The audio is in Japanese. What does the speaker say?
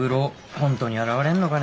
本当に現れんのかね。